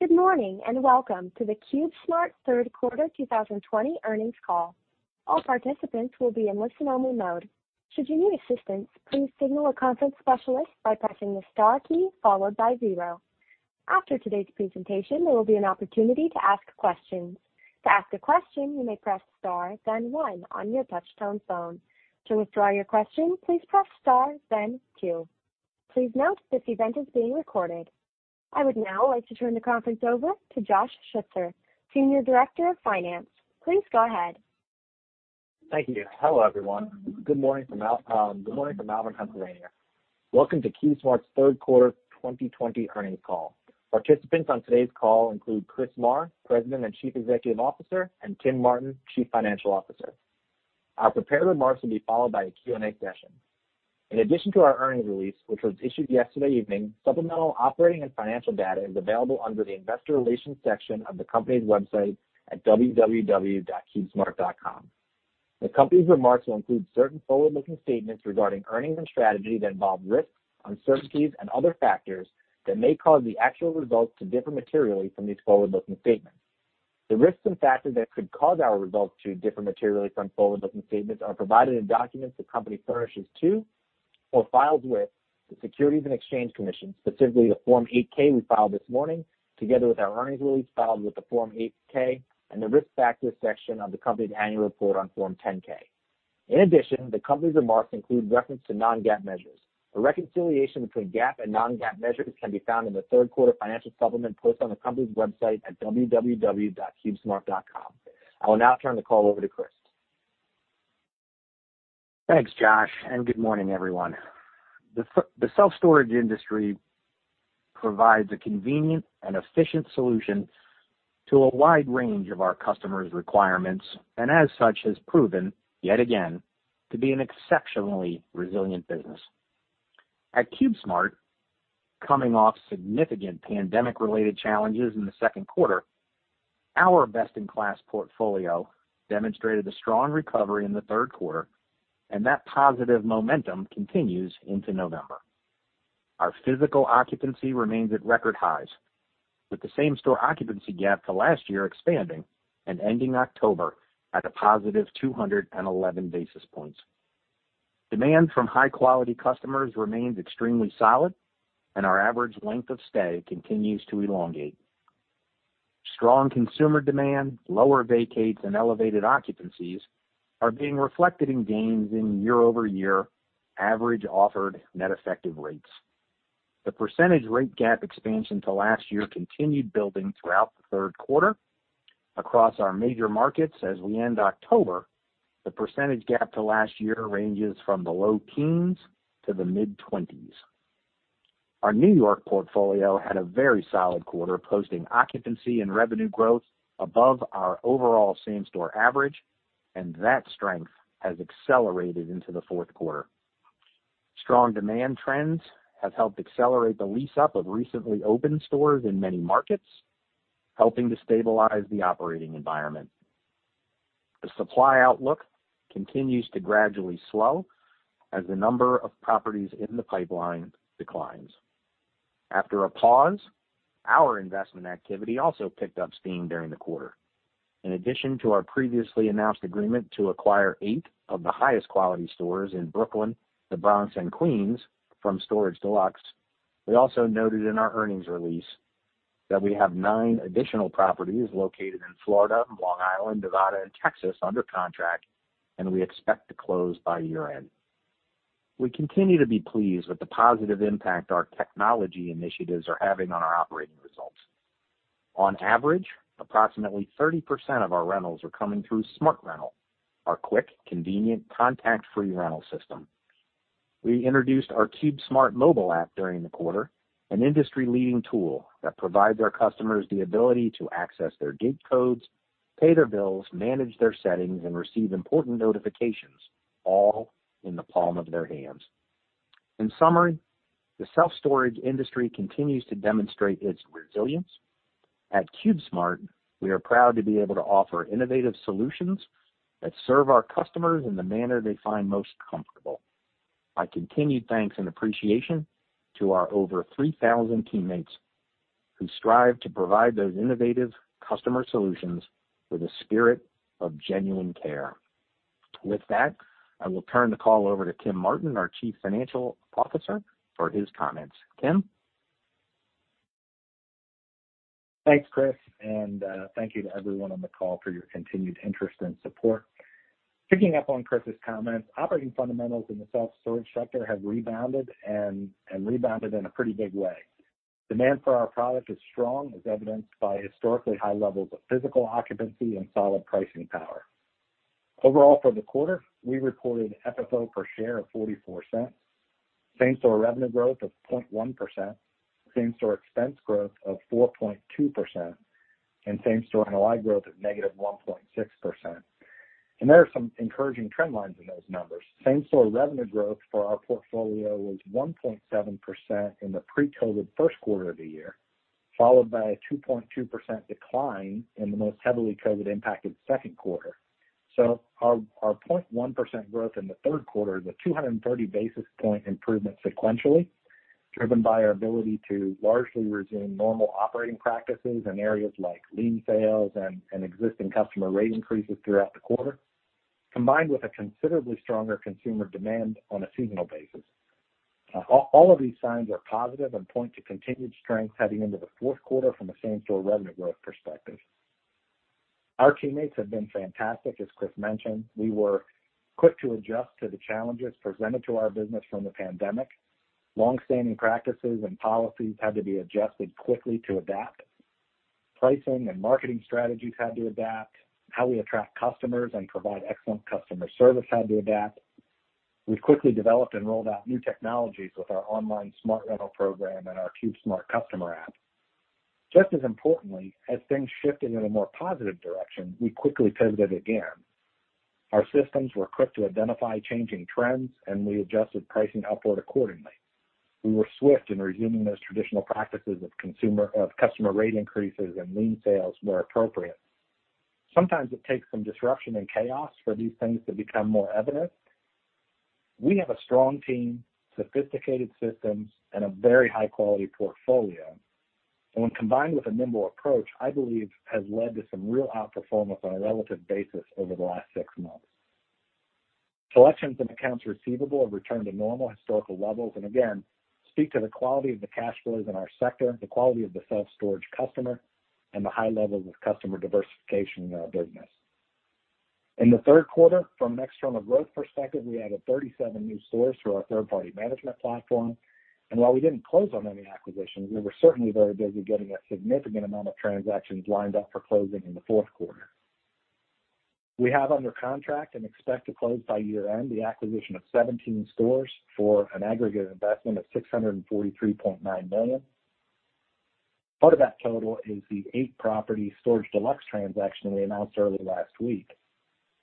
Good morning, and welcome to the CubeSmart Third Quarter 2020 Earnings Call. All participants will be in listen-only mode. Should you need assistance, please signal a conference specialist by pressing the star key followed by zero. After today's presentation, there will be an opportunity to ask questions. To ask a question, you may press star then one on your touchtone phone. To withdraw your question, please press star then two. Please note this event is being recorded. I would now like to turn the conference over to Josh Schutzer, Senior Director, Finance. Please go ahead. Thank you. Hello, everyone. Good morning from Malvern, Pennsylvania. Welcome to CubeSmart's Third Quarter 2020 Earnings Call. Participants on today's call include Chris Marr, President and Chief Executive Officer, and Tim Martin, Chief Financial Officer. Our prepared remarks will be followed by a Q&A session. In addition to our earnings release, which was issued yesterday evening, supplemental operating and financial data is available under the investor relations section of the company's website at www.cubesmart.com. The company's remarks will include certain forward-looking statements regarding earnings and strategy that involve risks, uncertainties, and other factors that may cause the actual results to differ materially from these forward-looking statements. The risks and factors that could cause our results to differ materially from forward-looking statements are provided in documents the company furnishes to or files with the Securities and Exchange Commission, specifically the Form 8-K we filed this morning, together with our earnings release filed with the Form 8-K and the Risk Factors section of the company's annual report on Form 10-K. In addition, the company's remarks include reference to non-GAAP measures. A reconciliation between GAAP and non-GAAP measures can be found in the third quarter financial supplement posted on the company's website at www.cubesmart.com. I will now turn the call over to Chris. Thanks, Josh. Good morning, everyone. The self-storage industry provides a convenient and efficient solution to a wide range of our customers' requirements and as such has proven yet again to be an exceptionally resilient business. At CubeSmart, coming off significant pandemic-related challenges in the second quarter, our best-in-class portfolio demonstrated a strong recovery in the third quarter, and that positive momentum continues into November. Our physical occupancy remains at record highs with the same store occupancy gap to last year expanding and ending October at a positive 211 basis points. Demand from high-quality customers remains extremely solid, and our average length of stay continues to elongate. Strong consumer demand, lower vacates, and elevated occupancies are being reflected in gains in year-over-year average offered net effective rates. The percentage rate gap expansion to last year continued building throughout the third quarter across our major markets as we end October, the percentage gap to last year ranges from the low teens to the mid-20%s. Our New York portfolio had a very solid quarter, posting occupancy and revenue growth above our overall same-store average, and that strength has accelerated into the fourth quarter. Strong demand trends have helped accelerate the lease-up of recently opened stores in many markets, helping to stabilize the operating environment. The supply outlook continues to gradually slow as the number of properties in the pipeline declines. After a pause, our investment activity also picked up steam during the quarter. In addition to our previously announced agreement to acquire eight of the highest quality stores in Brooklyn, the Bronx, and Queens from Storage Deluxe, we also noted in our earnings release that we have nine additional properties located in Florida, Long Island, Nevada, and Texas under contract, and we expect to close by year-end. We continue to be pleased with the positive impact our technology initiatives are having on our operating results. On average, approximately 30% of our rentals are coming through SmartRental, our quick, convenient, contact-free rental system. We introduced our CubeSmart Mobile App during the quarter, an industry-leading tool that provides our customers the ability to access their gate codes, pay their bills, manage their settings, and receive important notifications, all in the palm of their hands. In summary, the self-storage industry continues to demonstrate its resilience. At CubeSmart, we are proud to be able to offer innovative solutions that serve our customers in the manner they find most comfortable. My continued thanks and appreciation to our over 3,000 teammates who strive to provide those innovative customer solutions with a spirit of genuine care. I will turn the call over to Tim Martin, our Chief Financial Officer, for his comments. Tim? Thanks, Chris, and thank you to everyone on the call for your continued interest and support. Picking up on Chris's comments, operating fundamentals in the self-storage sector have rebounded in a pretty big way. Demand for our product is strong, as evidenced by historically high levels of physical occupancy and solid pricing power. Overall for the quarter, we reported FFO per share of $0.44, same-store revenue growth of 0.1%, same-store expense growth of 4.2%, and same-store NOI growth of -1.6%. There are some encouraging trend lines in those numbers. Same-store revenue growth for our portfolio was 1.7% in the pre-COVID first quarter of the year, followed by a 2.2% decline in the most heavily COVID-impacted second quarter. Our 0.1% growth in the third quarter is a 230 basis point improvement sequentially, driven by our ability to largely resume normal operating practices in areas like lien sales and existing customer rate increases throughout the quarter, combined with a considerably stronger consumer demand on a seasonal basis. All of these signs are positive and point to continued strength heading into the fourth quarter from a same-store revenue growth perspective. Our teammates have been fantastic, as Chris mentioned. We were quick to adjust to the challenges presented to our business from the pandemic. Long-standing practices and policies had to be adjusted quickly to adapt. Pricing and marketing strategies had to adapt. How we attract customers and provide excellent customer service had to adapt. We quickly developed and rolled out new technologies with our online SmartRental program and our CubeSmart Mobile App. Just as importantly, as things shifted in a more positive direction, we quickly pivoted again. Our systems were quick to identify changing trends, and we adjusted pricing upward accordingly. We were swift in resuming those traditional practices of customer rate increases and lien sales where appropriate. Sometimes it takes some disruption and chaos for these things to become more evident. We have a strong team, sophisticated systems, and a very high-quality portfolio. When combined with a nimble approach, I believe has led to some real outperformance on a relative basis over the last six months. Collections and accounts receivable have returned to normal historical levels, again, speak to the quality of the cash flows in our sector, the quality of the self-storage customer, and the high levels of customer diversification in our business. In the third quarter, from an external growth perspective, we added 37 new stores through our third-party management platform. While we didn't close on any acquisitions, we were certainly very busy getting a significant amount of transactions lined up for closing in the fourth quarter. We have under contract and expect to close by year-end the acquisition of 17 stores for an aggregate investment of $643.9 million. Part of that total is the eight-property Storage Deluxe transaction we announced early last week.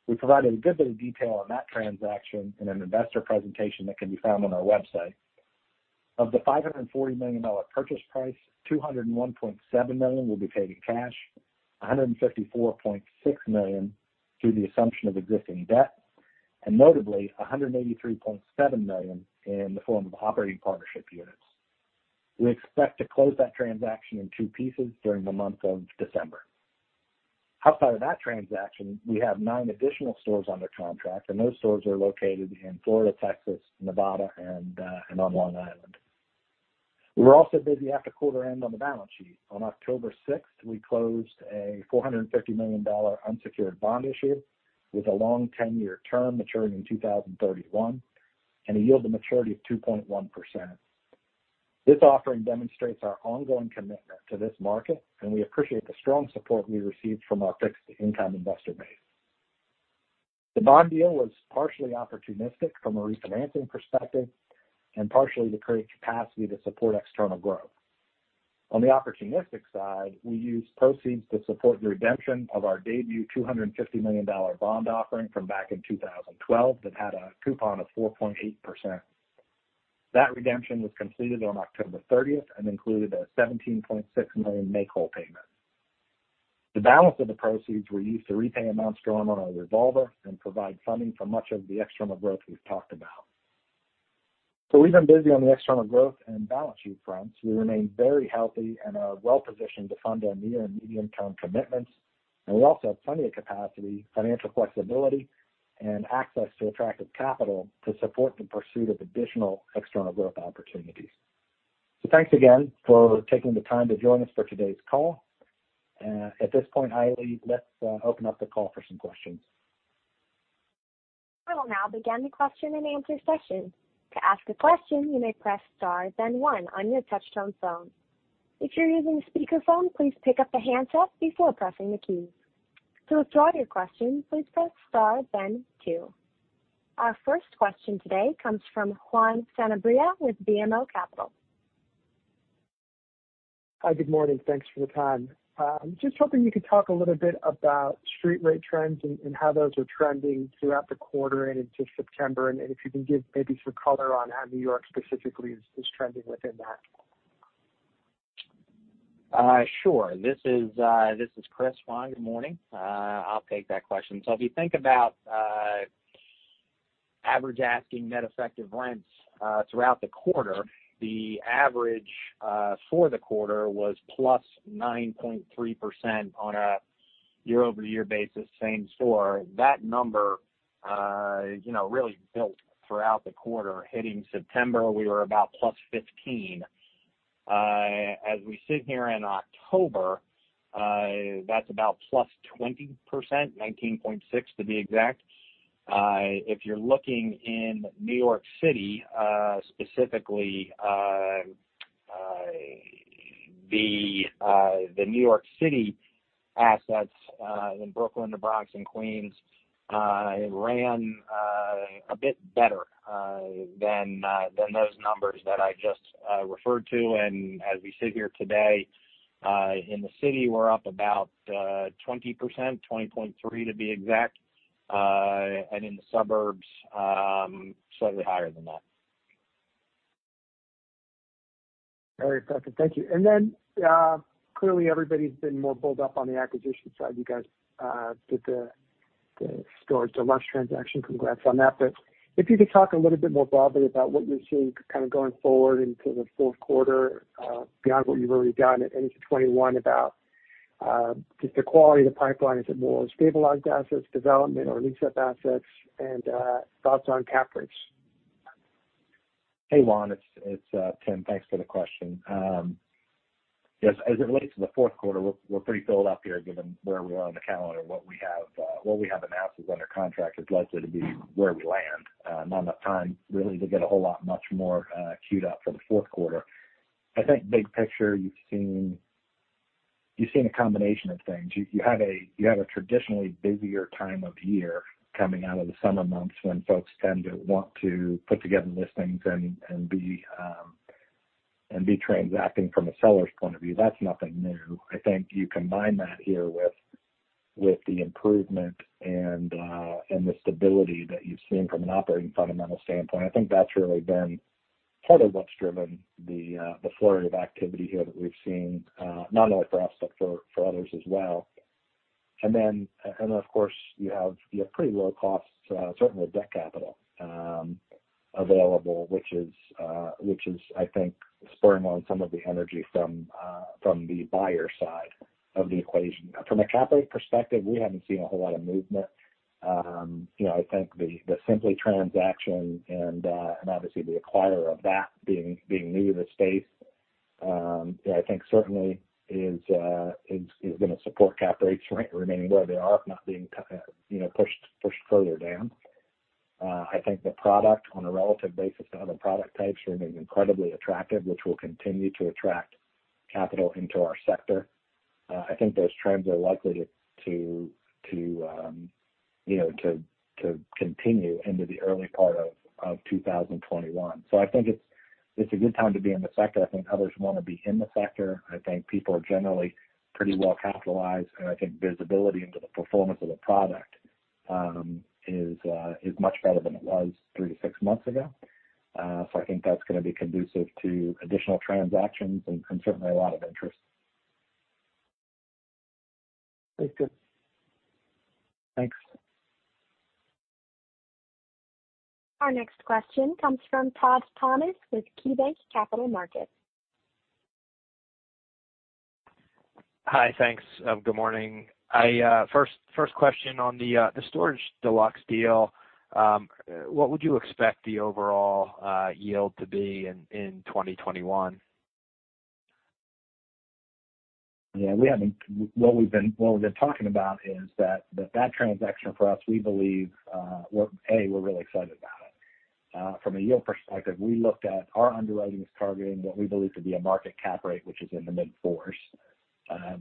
We provided a good bit of detail on that transaction in an investor presentation that can be found on our website. Of the $540 million purchase price, $201.7 million will be paid in cash, $154.6 million through the assumption of existing debt, and notably, $183.7 million in the form of operating partnership units. We expect to close that transaction in two pieces during the month of December. Outside of that transaction, we have nine additional stores under contract, and those stores are located in Florida, Texas, Nevada, and on Long Island. We were also busy after quarter end on the balance sheet. On October 6th, we closed a $450 million unsecured bond issue with a long 10-year term maturing in 2031 and a yield to maturity of 2.1%. This offering demonstrates our ongoing commitment to this market, and we appreciate the strong support we received from our fixed income investor base. The bond deal was partially opportunistic from a refinancing perspective and partially to create capacity to support external growth. On the opportunistic side, we used proceeds to support the redemption of our debut $250 million bond offering from back in 2012 that had a coupon of 4.8%. That redemption was completed on October 30th and included a $17.6 million make-whole payment. The balance of the proceeds were used to repay amounts drawn on our revolver and provide funding for much of the external growth we've talked about. We've been busy on the external growth and balance sheet fronts. We remain very healthy and are well-positioned to fund our near and medium-term commitments, and we also have plenty of capacity, financial flexibility, and access to attractive capital to support the pursuit of additional external growth opportunities. Thanks again for taking the time to join us for today's call. At this point, Hailey, let's open up the call for some questions. We will now begin the question-and-answer session. To ask a question, you may press star then one on your touchtone phone. If you're using a speakerphone, please pick up the handset before pressing the keys. To withdraw your question, please press star then two. Our first question today comes from Juan Sanabria with BMO Capital. Hi. Good morning. Thanks for the time. Just hoping you could talk a little bit about street rate trends and how those are trending throughout the quarter and into September, and if you can give maybe some color on how New York specifically is trending within that. Sure. This is Chris. Juan, good morning. I'll take that question. If you think about average asking net effective rents throughout the quarter, the average for the quarter was +9.3% on a year-over-year basis same store. That number really built throughout the quarter. Heading September, we were about +15%. As we sit here in October, that's about +20%, 19.6 to be exact. If you're looking in New York City, specifically, the New York City assets in Brooklyn, the Bronx, and Queens ran a bit better than those numbers that I just referred to. As we sit here today in the city, we're up about 20%, 20.3% to be exact, and in the suburbs, slightly higher than that Very effective. Thank you. Clearly everybody's been more bulled up on the acquisition side. You guys did the Storage Deluxe transaction. Congrats on that. If you could talk a little bit more broadly about what you're seeing kind of going forward into the fourth quarter, beyond what you've already gotten into 2021 about just the quality of the pipeline. Is it more stabilized assets, development or lease-up assets? Thoughts on cap rates. Hey, Juan. It's Tim. Thanks for the question. Yes, as it relates to the fourth quarter, we're pretty filled up here given where we are on the calendar. What we have announced is under contract is likely to be where we land. Not enough time really to get a whole lot, much more queued up for the fourth quarter. I think big picture, you've seen a combination of things. You have a traditionally busier time of year coming out of the summer months when folks tend to want to put together listings and be transacting from a seller's point of view. That's nothing new. I think you combine that here with the improvement and the stability that you've seen from an operating fundamental standpoint. I think that's really been part of what's driven the flurry of activity here that we've seen, not only for us, but for others as well. Of course, you have pretty low costs, certainly with debt capital available which is, I think, spurring on some of the energy from the buyer side of the equation. From a cap rate perspective, we haven't seen a whole lot of movement. I think the Simply transaction and obviously the acquirer of that being new to the space, I think certainly is going to support cap rates remaining where they are, not being pushed further down. I think the product, on a relative basis to other product types, remains incredibly attractive, which will continue to attract capital into our sector. I think those trends are likely to continue into the early part of 2021. I think it's a good time to be in the sector. I think others want to be in the sector. I think people are generally pretty well-capitalized, and I think visibility into the performance of the product is much better than it was three to six months ago. I think that's going to be conducive to additional transactions and certainly a lot of interest. Sounds good. Thanks. Our next question comes from Todd Thomas with KeyBanc Capital Markets. Hi, thanks. Good morning. First question on the Storage Deluxe deal. What would you expect the overall yield to be in 2021? Yeah. What we've been talking about is that transaction for us, we believe, A, we're really excited about it. From a yield perspective, we looked at our underwriting is targeting what we believe to be a market cap rate, which is in the mid-fours.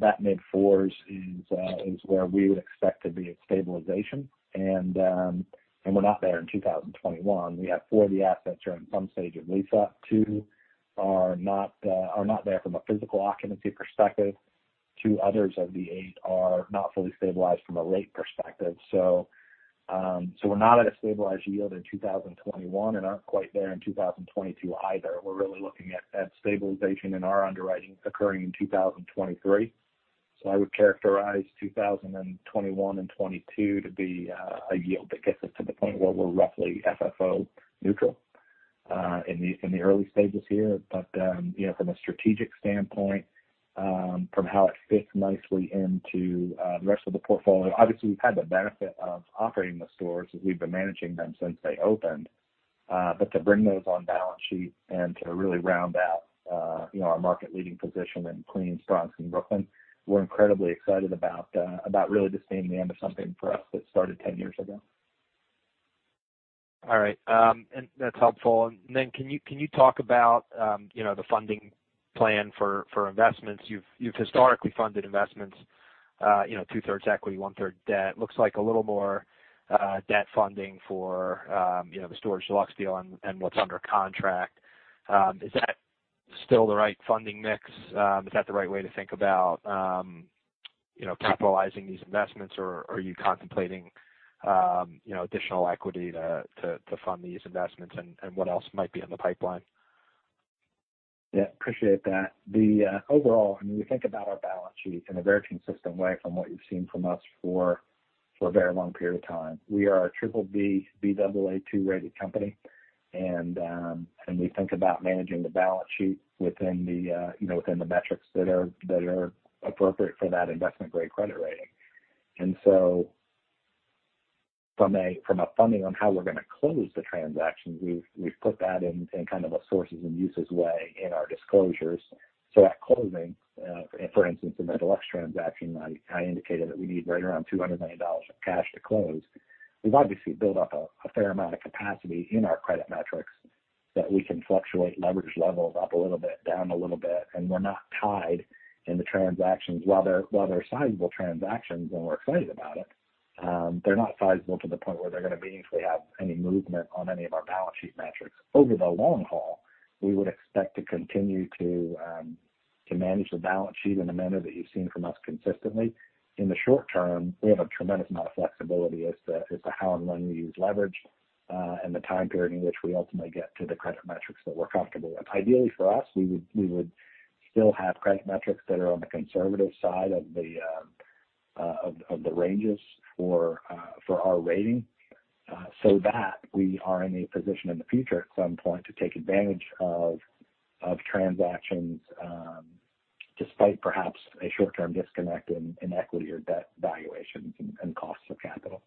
That mid-fours is where we would expect to be at stabilization. We're not there in 2021. We have four of the assets are in some stage of lease up. Two are not there from a physical occupancy perspective. Two others of the eight are not fully stabilized from a rate perspective. We're not at a stabilized yield in 2021 and aren't quite there in 2022 either. We're really looking at that stabilization in our underwriting occurring in 2023. I would characterize 2021 and 2022 to be a yield that gets us to the point where we're roughly FFO neutral in the early stages here. From a strategic standpoint, from how it fits nicely into the rest of the portfolio, obviously we've had the benefit of operating the stores as we've been managing them since they opened. To bring those on balance sheet and to really round out our market-leading position in Queens, Bronx, and Brooklyn, we're incredibly excited about really just seeing the end of something for us that started 10 years ago. All right. That's helpful. Can you talk about the funding plan for investments? You've historically funded investments 2/3 equity, one-third debt. Looks like a little more debt funding for the Storage Deluxe deal and what's under contract. Is that still the right funding mix? Is that the right way to think about capitalizing these investments, or are you contemplating additional equity to fund these investments and what else might be in the pipeline? Yeah. Appreciate that. The overall, I mean, we think about our balance sheet in a very consistent way from what you've seen from us for a very long period of time. We are a BBB, Baa2-rated company, and we think about managing the balance sheet within the metrics that are appropriate for that investment-grade credit rating. From a funding on how we're going to close the transactions, we've put that in kind of a sources and uses way in our disclosures. At closing, for instance, in the Deluxe transaction, I indicated that we need right around $200 million of cash to close. We've obviously built up a fair amount of capacity in our credit metrics that we can fluctuate leverage levels up a little bit, down a little bit, and we're not tied in the transactions. While they're sizable transactions and we're excited about it, they're not sizable to the point where they're going to meaningfully have any movement on any of our balance sheet metrics. To manage the balance sheet in the manner that you've seen from us consistently. In the short term, we have a tremendous amount of flexibility as to how and when we use leverage, and the time period in which we ultimately get to the credit metrics that we're comfortable with. Ideally, for us, we would still have credit metrics that are on the conservative side of the ranges for our rating, so that we are in a position in the future at some point to take advantage of transactions, despite perhaps a short-term disconnect in equity or debt valuations and costs of capital.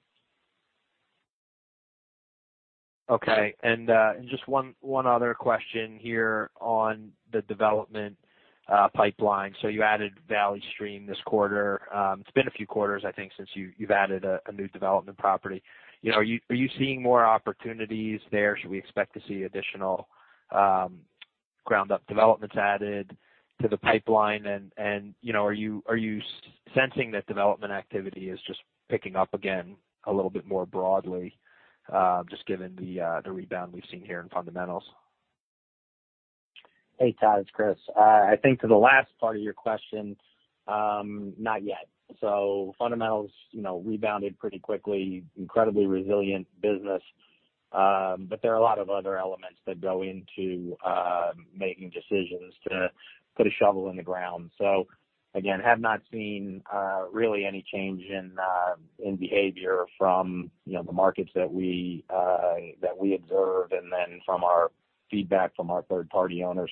Okay. Just one other question here on the development pipeline. You added Valley Stream this quarter. It's been a few quarters, I think, since you've added a new development property. Are you seeing more opportunities there? Should we expect to see additional ground-up developments added to the pipeline? Are you sensing that development activity is just picking up again a little bit more broadly, just given the rebound we've seen here in fundamentals? Hey, Todd, it's Chris. I think to the last part of your question, not yet. Fundamentals rebounded pretty quickly, incredibly resilient business. There are a lot of other elements that go into making decisions to put a shovel in the ground. Again, have not seen really any change in behavior from the markets that we observe and then from our feedback from our third-party owners.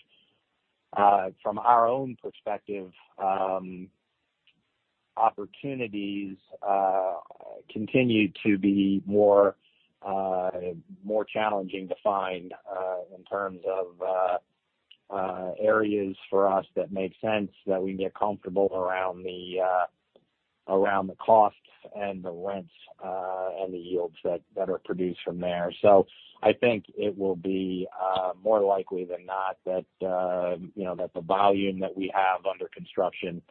From our own perspective, opportunities continue to be more challenging to find in terms of areas for us that make sense that we get comfortable around the costs and the rents, and the yields that are produced from there. I think it will be more likely than not that the volume that we have under construction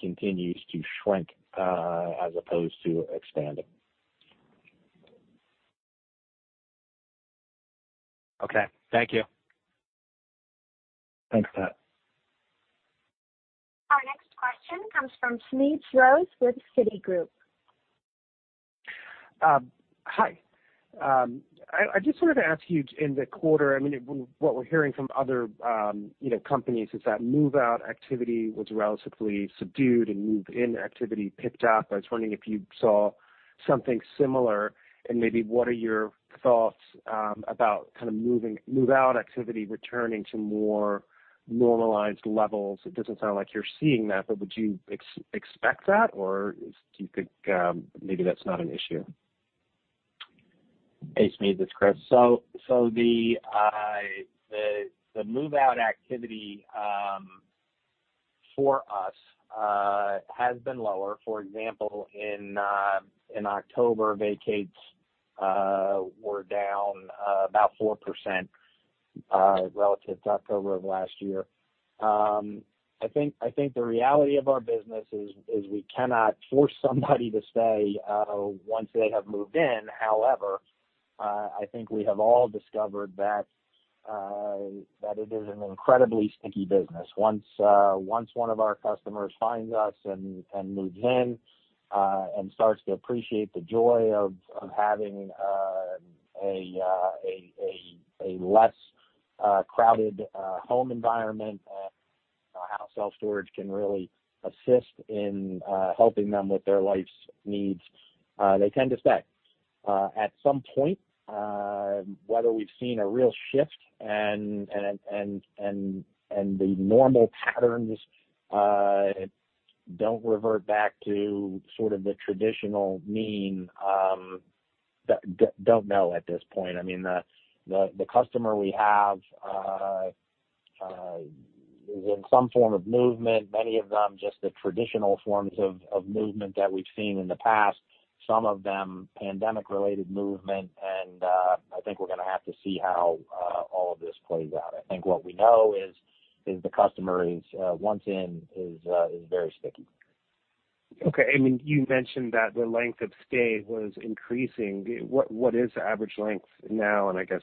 continues to shrink as opposed to expanding. Okay. Thank you. Thanks, Todd. Our next question comes from Smedes Rose with Citigroup. Hi. I just wanted to ask you in the quarter, what we're hearing from other companies is that move-out activity was relatively subdued and move-in activity picked up. I was wondering if you saw something similar, and maybe what are your thoughts about move-out activity returning to more normalized levels? It doesn't sound like you're seeing that, but would you expect that, or do you think maybe that's not an issue? Smedes, this is Chris. The move-out activity for us has been lower. For example, in October, vacates were down about 4% relative to October of last year. I think the reality of our business is we cannot force somebody to stay once they have moved in. However, I think we have all discovered that it is an incredibly sticky business. Once one of our customers finds us and moves in and starts to appreciate the joy of having a less crowded home environment, how self-storage can really assist in helping them with their life's needs, they tend to stay. At some point, whether we've seen a real shift and the normal patterns don't revert back to sort of the traditional mean, don't know at this point. The customer we have is in some form of movement, many of them just the traditional forms of movement that we've seen in the past, some of them pandemic-related movement, and I think we're going to have to see how all of this plays out. I think what we know is the customer who's once in is very sticky. Okay. You mentioned that the length of stay was increasing. What is the average length now? I guess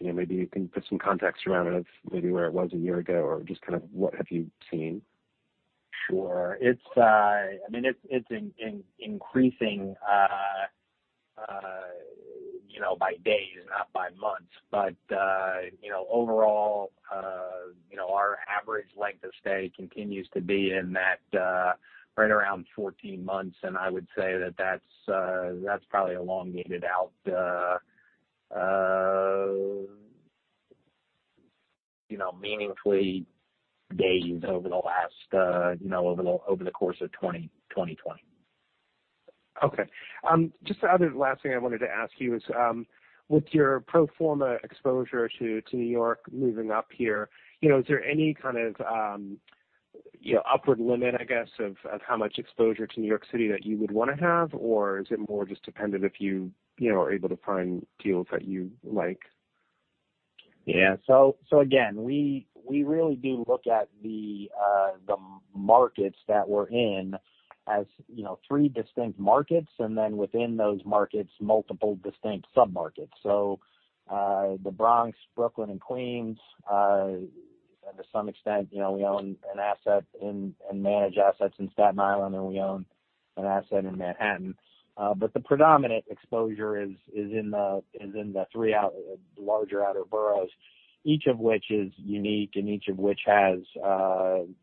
maybe you can put some context around it of maybe where it was a year ago or just kind of what have you seen? Sure. It's increasing by days, not by months. Overall our average length of stay continues to be in that right around 14 months, and I would say that that's probably elongated out meaningfully days over the course of 2020. Okay. Just the other last thing I wanted to ask you is, with your pro forma exposure to N.Y. moving up here, is there any kind of upward limit, I guess, of how much exposure to N.Y. City that you would want to have? Is it more just dependent if you are able to find deals that you like? Yeah. Again, we really do look at the markets that we're in as three distinct markets, and then within those markets, multiple distinct sub-markets. The Bronx, Brooklyn, and Queens. To some extent, we own an asset and manage assets in Staten Island, and we own an asset in Manhattan. The predominant exposure is in the three larger outer boroughs, each of which is unique and each of which has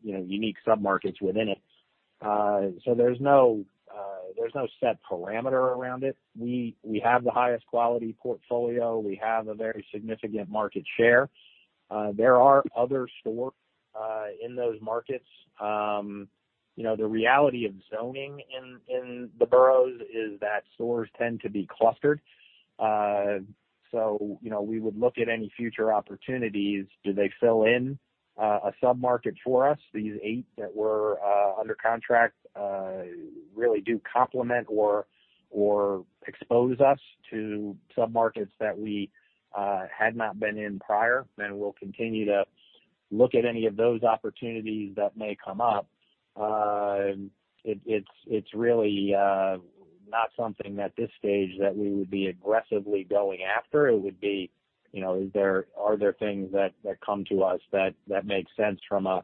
unique sub-markets within it. There's no set parameter around it. We have the highest quality portfolio. We have a very significant market share. There are other stores in those markets. The reality of zoning in the boroughs is that stores tend to be clustered. We would look at any future opportunities. Do they fill in a sub-market for us? These eight that were under contract really do complement or expose us to sub-markets that we had not been in prior. We'll continue to look at any of those opportunities that may come up. It's really not something at this stage that we would be aggressively going after. It would be, are there things that come to us that make sense from a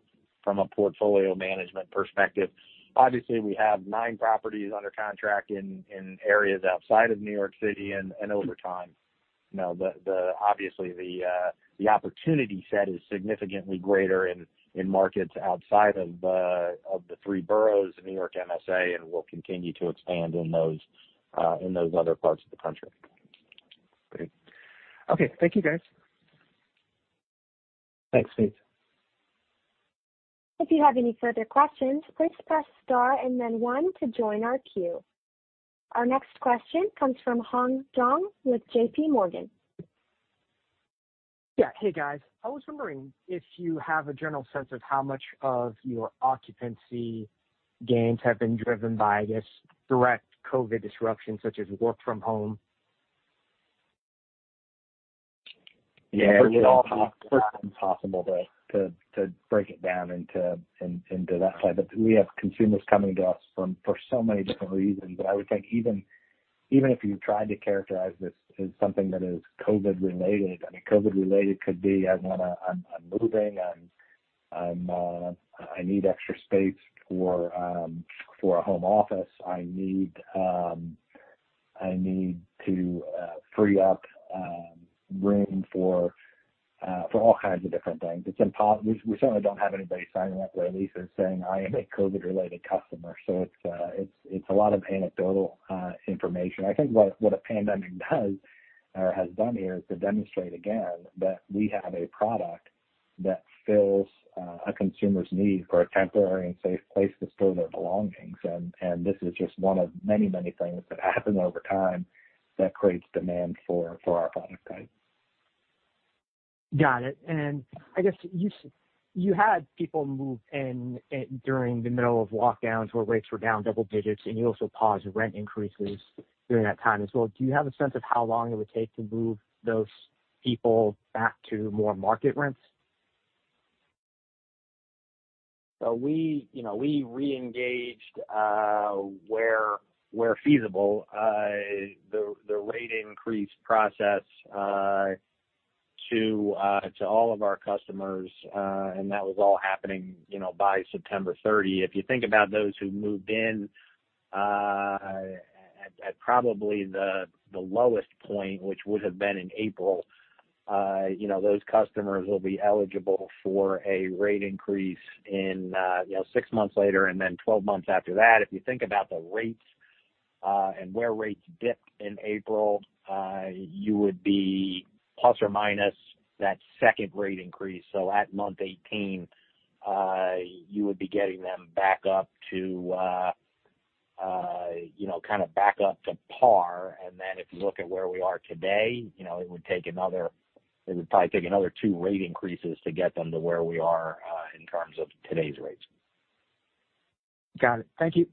portfolio management perspective? Obviously, we have nine properties under contract in areas outside of New York City, and over time. Now, obviously, the opportunity set is significantly greater in markets outside of the three boroughs of New York MSA, and we'll continue to expand in those other parts of the country. Great. Okay. Thank you, guys. Thanks, Pete. If you have any further questions, please press star and then one to join our queue. Our next question comes from Hong Zhang with JPMorgan. Hey, guys. I was wondering if you have a general sense of how much of your occupancy gains have been driven by just direct COVID disruption, such as work from home. Yeah. First, it's impossible to break it down into that slide. We have consumers coming to us for so many different reasons that I would think even if you tried to characterize this as something that is COVID-related, COVID-related could be, I'm moving, I need extra space for a home office. I need to free up room for all kinds of different things. We certainly don't have anybody signing up or at least saying, I am a COVID-related customer. It's a lot of anecdotal information. I think what a pandemic does or has done here is to demonstrate again that we have a product that fills a consumer's need for a temporary and safe place to store their belongings. This is just one of many things that happen over time that creates demand for our product type. Got it. I guess you had people move in during the middle of lockdowns where rates were down double digits, and you also paused rent increases during that time as well. Do you have a sense of how long it would take to move those people back to more market rents? We reengaged, where feasible, the rate increase process to all of our customers, and that was all happening by September 30. If you think about those who moved in at probably the lowest point, which would have been in April, those customers will be eligible for a rate increase six months later and then 12 months after that. If you think about the rates, and where rates dipped in April, you would be ± that second rate increase. At month 18, you would be getting them kind of back up to par. If you look at where we are today, it would probably take another two rate increases to get them to where we are in terms of today's rates. Got it. Thank you.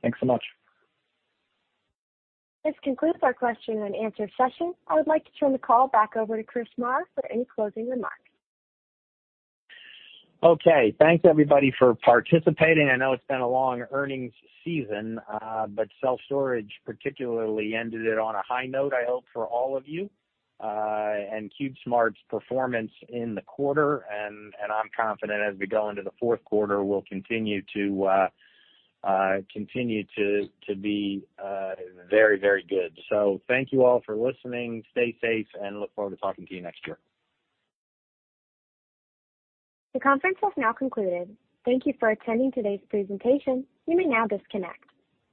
Thanks so much. This concludes our question-and-answer session. I would like to turn the call back over to Chris Marr for any closing remarks. Okay. Thanks, everybody, for participating. I know it's been a long earnings season. Self-storage particularly ended it on a high note, I hope, for all of you, and CubeSmart's performance in the quarter. I'm confident as we go into the fourth quarter, we'll continue to be very good. Thank you all for listening. Stay safe, and look forward to talking to you next year. The conference has now concluded. Thank you for attending today's presentation. You may now disconnect.